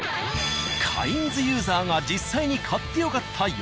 「カインズ」ユーザーが実際に買ってよかった